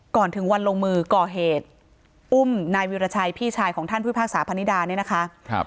ก่อนถึงวันลงมือก่อเหตุอุ้มนายวิวรชัยพี่ชายของท่านผู้พราคสาพันนิดา